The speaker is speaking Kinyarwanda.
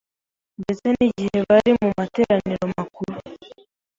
ndetse n’igihe bari mu materaniro makuru.